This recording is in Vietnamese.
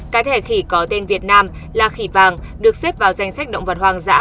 cá thể khỉ có tên việt nam là khỉ vàng được xếp vào danh sách động vật hoang dã